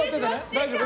大丈夫？